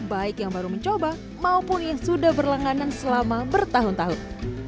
baik yang baru mencoba maupun yang sudah berlangganan selama bertahun tahun